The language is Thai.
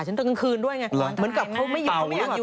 ฉันตั้งกลางคืนด้วยไงเหมือนกับเขาไม่อยู่